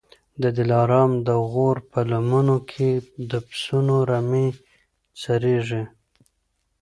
د دلارام د غرو په لمنو کي د پسونو رمې څرېږي